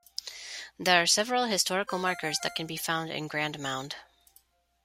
There are several historical markers that can be found in Grand Mound.